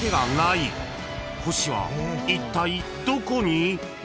［星はいったいどこに？］